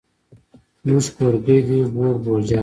زموږ کورګی دی ووړ بوجل دی.